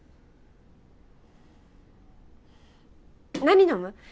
何飲む？